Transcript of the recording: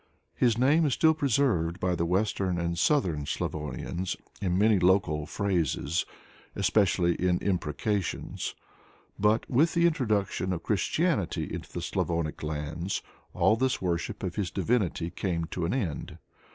His name is still preserved by the western and southern Slavonians in many local phrases, especially in imprecations; but, with the introduction of Christianity into Slavonic lands, all this worship of his divinity came to an end.